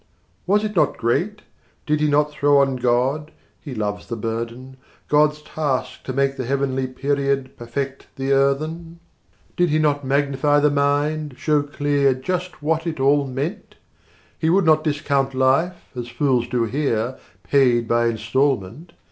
100 Was it not great? did not he throw on God, (He loves the burthen) God's task to make the heavenly period Perfect the earthen? Did not he magnify the mind, show clear Just what it all meant? He would not discount life, as fools do here, Paid by instalment.